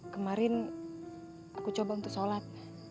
kemarin aku coba untuk sholat